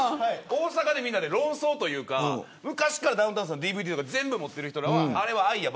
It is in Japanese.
大阪でみんなで論争というか昔からダウンタウンさんのＤＶＤとか全部持ってる方はあれは、愛や。